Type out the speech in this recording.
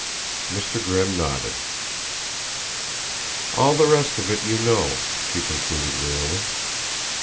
Mr. Grimm nodded. "All the rest of it you know," she concluded wearily.